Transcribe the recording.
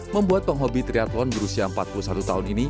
membuat penghobi triathlon berusia empat puluh satu tahun ini